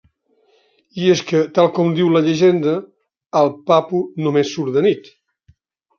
I és que, tal com diu la llegenda, el Papu només surt de nit.